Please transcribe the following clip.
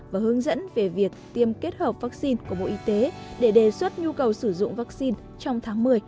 và hướng dẫn về việc tiêm kết hợp vaccine của bộ y tế để đề xuất nhu cầu sử dụng vaccine trong tháng một mươi